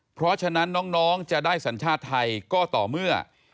เพราะฉะนั้นน้องจะได้สัญชาติไทยก็ต่อเมื่อ